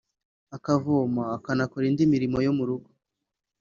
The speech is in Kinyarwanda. akavoma akanakora indi mirimo yo mu rugo